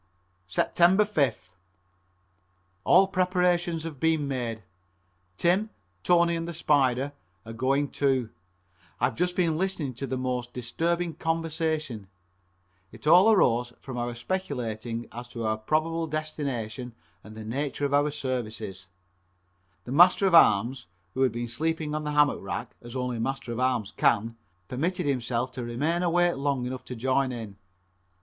Sept. 5th. All preparations have been made. Tim, Tony and the Spider are going too. I have just been listening to the most disturbing conversation. It all arose from our speculating as to our probable destination and the nature of our services. The Master at arms, who had been sleeping on the hammock rack as only a Master at arms can, permitted himself to remain awake long enough to join in.